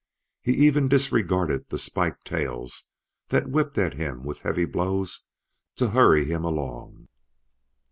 He even disregarded the spiked tails that whipped at him with heavy blows to hurry him along.